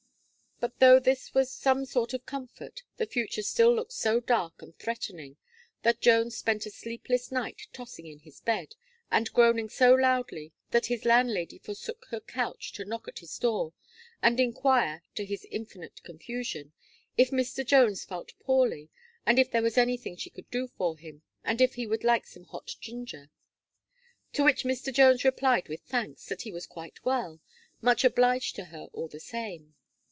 But, though this was some sort of comfort, the future still looked so dark and threatening, that Jones spent a sleepless night, tossing in his bed, and groaning so loudly, that his landlady forsook her couch to knock at his door, and inquire, to his infinite confusion, "if Mr. Jones felt poorly, and if there was anything she could do for him, and if he would like some hot ginger?" To which Mr. Jones replied, with thanks, "that he was quite well, much obliged to her all the same."